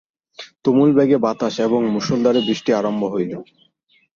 তুমুলবেগে বাতাস এবং মুষলধারে বৃষ্টি আরম্ভ হইল।